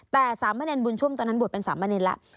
แต่สามเมอร์เนียนบุญชมตอนนั้นบวชเป็นสามเมอร์เนียนแล้ว